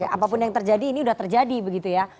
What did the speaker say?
apapun yang terjadi ini sudah terjadi begitu ya